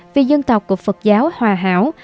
vì dân tộc của phật giáo hòa hảo